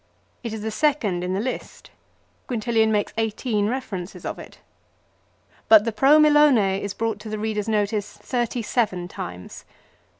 It is the second in the list. Quintilian makes eighteen references of it. But the " Pro Milone " is brought to the reader's notice thirty seven times.